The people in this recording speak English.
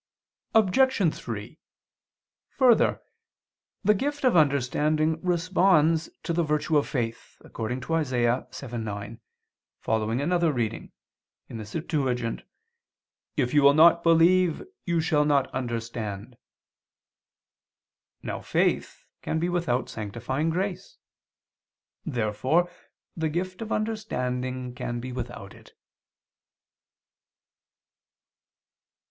Obj. 3: Further, the gift of understanding responds to the virtue of faith, according to Isa. 7:9, following another reading [*The Septuagint]: "If you will not believe you shall not understand." Now faith can be without sanctifying grace. Therefore the gift of understanding can be without it.